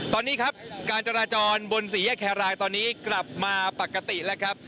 ตอนนี้ครับการจราจรบนสี่แยกแครรายตอนนี้กลับมาปกติแล้วครับ